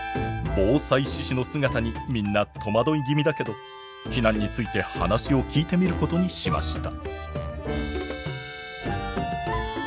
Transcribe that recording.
防災志士の姿にみんな戸惑い気味だけど避難について話を聞いてみることにしました。